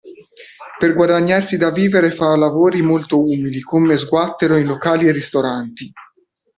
Per guadagnarsi da vivere fa lavori molto umili come sguattero in locali e ristoranti.